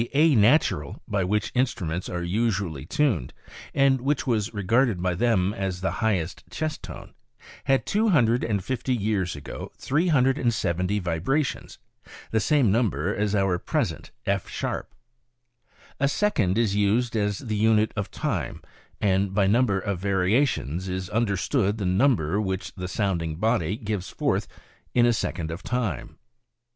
—z^z\ A natural, by which instruments are usually tuned, and E &—^ z \?^ C ? Wa ? re ~ garded by them as the highest chest tone, "Jj" '° nun " dred and fifty years ago, 3?0 vibrations— the same number as our present F sharp. "A second is used as the unit of time, and by number of variations is understood the number which the sounding body gives forth in a second of time.